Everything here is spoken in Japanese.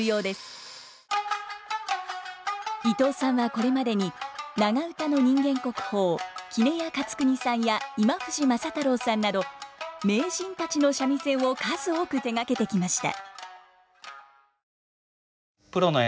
伊藤さんはこれまでに長唄の人間国宝杵屋勝国さんや今藤政太郎さんなど名人たちの三味線を数多く手がけてきました。